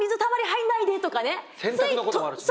洗濯のこともあるしね。